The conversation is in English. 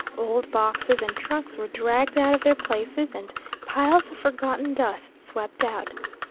Old boxes and trunks were dragged out of their places, and piles of forgotten dust swept out.